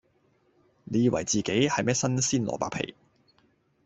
你以為自己係咩新鮮蘿蔔皮